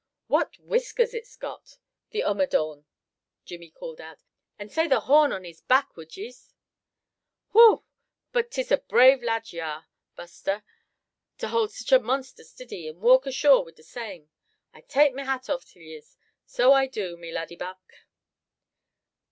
"What whiskers it's got, the omadhaun!" Jimmie called out, "and say the horn on his back, wud yees? Whoo! but 'tis a brave lad ye arre, Buster, to holdt sich a monster stiddy, and walk ashore wid the same. I take off me hat till yees, so I do, me laddybuck!"